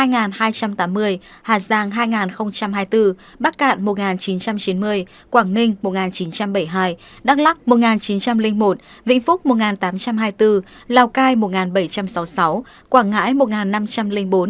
giang hai hai mươi bốn bắc cạn một chín trăm chín mươi quảng ninh một chín trăm bảy mươi hai đắk lắc một chín trăm linh một vĩnh phúc một tám trăm hai mươi bốn lào cai một bảy trăm sáu mươi sáu quảng ngãi một năm trăm linh bốn